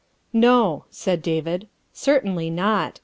" No," said David, " certainly not.